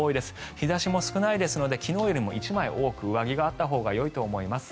日差しも少ないですので昨日よりも１枚多く上着があったほうがよいと思います。